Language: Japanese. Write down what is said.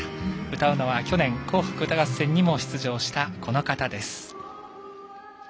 歌うのは、去年「紅白歌合戦」にも出場したこの方です。